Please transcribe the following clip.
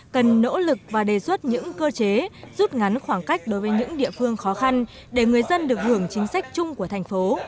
cần nỗ lực và đề xuất những cơ chế rút ngắn khoảng cách đối với những địa phương khó khăn để người dân được hưởng chính sách chung của thành phố